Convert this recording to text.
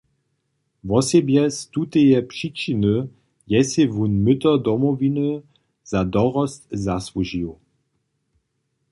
Wosebje z tuteje přičiny je sej wón Myto Domowiny za dorost zasłužił.